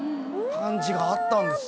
感じがあったんですよ。